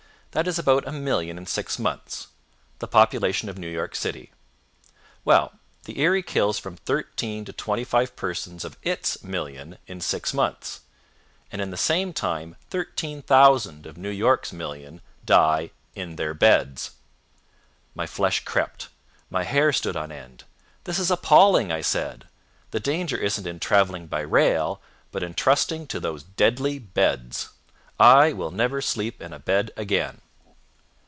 That is about a million in six months the population of New York City. Well, the Erie kills from 13 to 23 persons of its million in six months; and in the same time 13,000 of New York's million die in their beds! My flesh crept, my hair stood on end. "This is appalling!" I said. "The danger isn't in traveling by rail, but in trusting to those deadly beds. I will never sleep in a bed again."